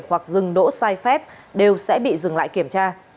hoặc dừng đỗ sai phép đều sẽ bị dừng lại kiểm tra